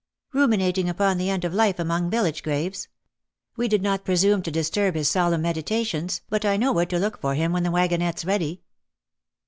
" Ruminating upon the end of life among village graves. We did not presume to disturb his solemn meditations, but I know where to look for him when the wagonette's ready."